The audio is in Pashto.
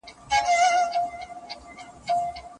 موږ به پوهه ترلاسه کړې وي.